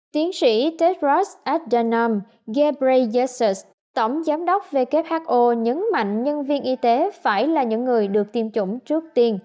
tiến sĩ tedrost azdanom ghebreyesus tổng giám đốc who nhấn mạnh nhân viên y tế phải là những người được tiêm chủng trước tiên